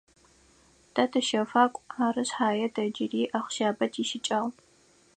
Тэ тыщэфакӏу, ары шъхьае тэ джыри ахъщабэ тищыкӏагъ.